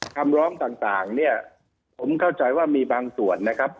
คำร้องต่างเนี่ยผมเข้าใจว่ามีบางส่วนนะครับ